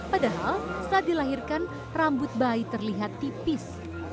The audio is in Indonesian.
padahal saat dilahirkan rambut bayi terlihat tipis